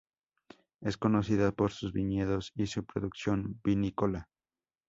Es conocida por sus viñedos y su producción vinícola.